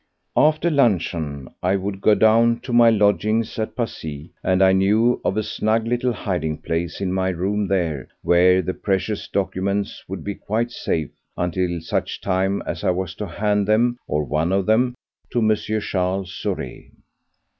After luncheon I would go down to my lodgings at Passy, and I knew of a snug little hiding place in my room there where the precious documents would be quite safe until such time as I was to hand them—or one of them—to M. Charles Saurez.